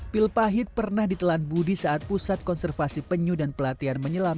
pil pahit pernah ditelan budi saat pusat konservasi penyu dan pelatihan menyelam